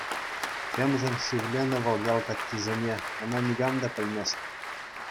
Темшӗн сивленӗ вӑл ял каччисене, ӑна никам та пӗлмест.